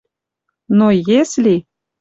Но если